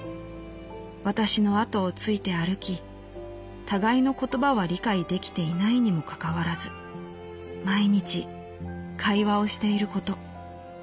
私の後をついて歩き互いの言葉は理解できていないにもかかわらず毎日会話をしていること。